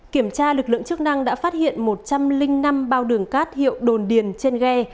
kiểm tra lực lượng chức năng đã phát hiện một trăm linh năm bao đường cát hiệu đồn điền trên ghe